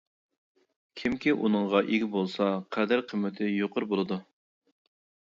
كىمكى ئۇنىڭغا ئىگە بولسا، قەدىر-قىممىتى يۇقىرى بولىدۇ.